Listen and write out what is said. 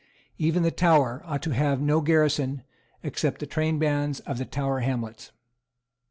Even the Tower ought to have no garrison except the trainbands of the Tower Hamlets.